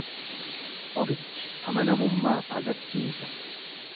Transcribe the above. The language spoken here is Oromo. Ofitti amanamummaa agarsiisa.